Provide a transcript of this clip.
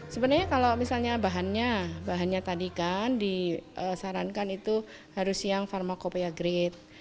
sebenarnya kalau misalnya bahannya tadi kan disarankan itu harus yang pharmacopeia grade